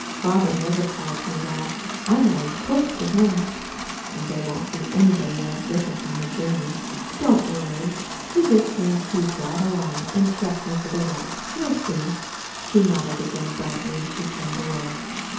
"Father never calls me that. I'm always 'Puss' to him. And there won't be anybody else with us on the journey. Don't you worry. You just send Keith right along, and trust me for the rest. You'll see," she nodded again brightly, as she turned away.